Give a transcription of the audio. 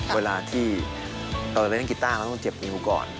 เวลาที่เราเล่นกีต้าเราต้องเจ็บนิ้วก่อน